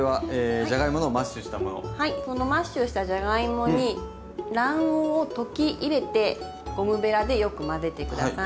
そのマッシュしたじゃがいもに卵黄を溶き入れてゴムべらでよく混ぜて下さい。